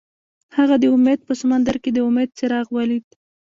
هغه د امید په سمندر کې د امید څراغ ولید.